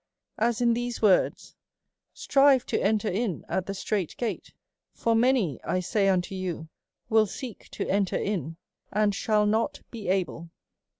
As in these words. Strive to enter in at the strait gate ; for many, I say unto you, ivill seek to enter in, and shall not he able.